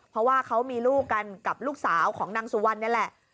เพราะว่าเขามีลูกกันกับลูกสาวของนางสุวรรณนี่แหละ